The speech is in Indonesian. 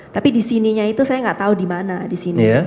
tapi di sininya itu saya nggak tahu di mana di sini